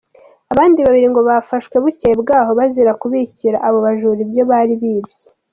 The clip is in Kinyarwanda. Abandi babiri ngo bafashwe bukeye bwaho bazira kubikira abo bajura ibyo bari bibye.